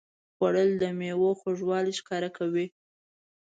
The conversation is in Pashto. خوړل د میوو خوږوالی ښکاره کوي